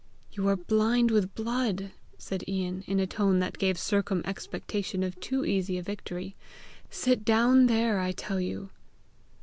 "You are blind with blood!" said Ian, in a tone that gave Sercombe expectation of too easy a victory. "Sit down there, I tell you!"